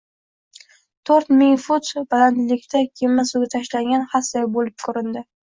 to‘rt ming fut balandlikda kema suvga tashlangan xasday bo‘lib ko‘rindi.